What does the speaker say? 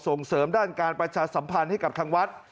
ส่งเสริมด้านการประชาสัมพันธ์ให้กับทางวัด